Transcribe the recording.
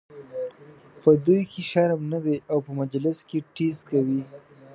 په دوی کې شرم نه دی او په مجلس کې ټیز کوي.